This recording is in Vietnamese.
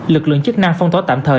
lực lượng chức năng phong tỏa tạm thời